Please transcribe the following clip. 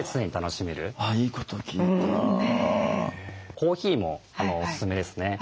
コーヒーもおすすめですね。